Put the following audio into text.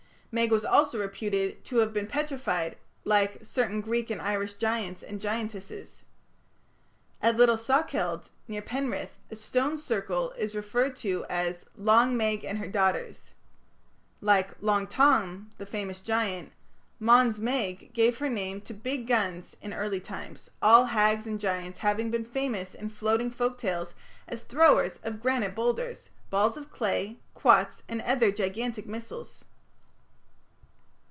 Meg was also reputed to have been petrified, like certain Greek and Irish giants and giantesses. At Little Salkeld, near Penrith, a stone circle is referred to as "Long Meg and her Daughters". Like "Long Tom", the famous giant, "Mons Meg" gave her name to big guns in early times, all hags and giants having been famous in floating folk tales as throwers of granite boulders, balls of hard clay, quoits, and other gigantic missiles.